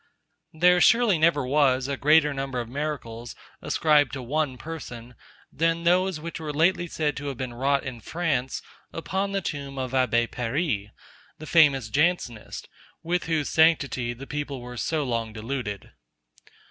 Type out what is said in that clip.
There surely never was a greater number of miracles ascribed to one person, than those, which were lately said to have been wrought in France upon the tomb of Abbé Paris, the famous Jansenist, with whose sanctity the people were so long deluded.